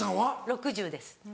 ６０です。